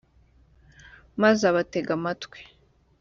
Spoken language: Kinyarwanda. maze abatega amatwi